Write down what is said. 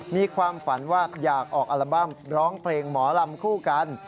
มีความฝันว่าอยากออกอัลบั้มร้องเพลงหมอลำคู่กัน